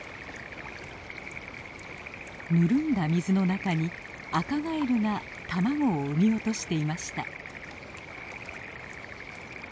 ぬるんだ水の中にアカガエルが卵を産み落としていました。